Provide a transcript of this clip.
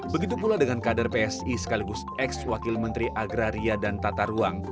begitu pula dengan kader psi sekaligus ex wakil menteri agraria dan tata ruang